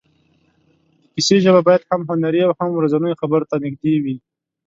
د کیسې ژبه باید هم هنري او هم ورځنیو خبرو ته نږدې وي.